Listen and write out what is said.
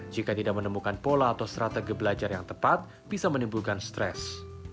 jika tidak menemukan pola atau strategi belajar yang tepat bisa menimbulkan stres